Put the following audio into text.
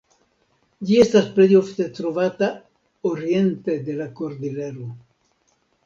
Ĝi estas plej ofte trovata oriente de la Kordilero.